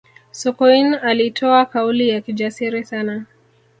sokoine alitoa kauli ya kijasiri sana